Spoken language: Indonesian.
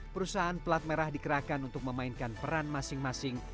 perusahaan pelat merah dikerahkan untuk memainkan peran masing masing